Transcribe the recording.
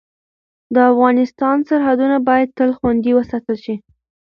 د افغانستان سرحدونه باید تل خوندي وساتل شي.